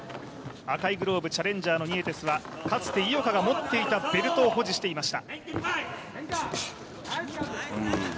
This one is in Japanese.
赤いグローブチャレンジャーのニエテスはかつて井岡が持っていたベルトを保持していました。